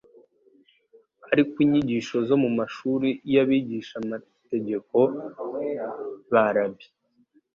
Ariko inyigisho zo mu mashuri y'abigishamategeko (ba Rabbi)